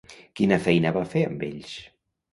Quina feina va fer amb ells?